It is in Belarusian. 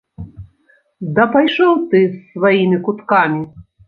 Да пайшоў ты з сваімі куткамі!